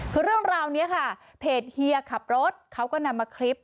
คือเรื่องราวนี้ค่ะเพจเฮียขับรถเขาก็นำมาคลิป